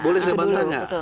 boleh saya bantah nggak